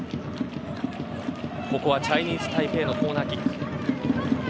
ここはチャイニーズタイペイのコーナーキック。